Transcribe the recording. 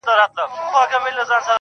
لا به په تا پسي ژړېږمه زه.